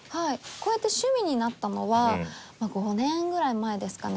こうやって趣味になったのは５年ぐらい前ですかね。